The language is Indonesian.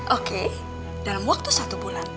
oke dalam waktu satu bulan